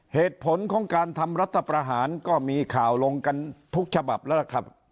เหตุผลของการทำรัฐประหารก็มีข่าวลงกันทุกฉบับแล้วล่ะครับ